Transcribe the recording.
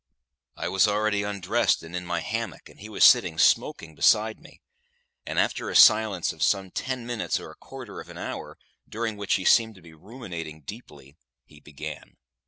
I was already undressed and in my hammock, and he was sitting smoking beside me, and after a silence of some ten minutes or a quarter of an hour, during which he seemed to be ruminating deeply, he began.